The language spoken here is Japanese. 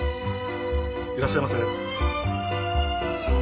いらっしゃいませ。